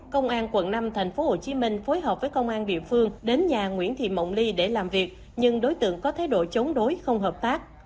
công an quận năm tp hcm phối hợp với công an địa phương đến nhà nguyễn thị mộng ly để làm việc nhưng đối tượng có thái độ chống đối không hợp tác